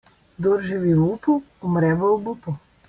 Kdor živi v upu, umre v obupu.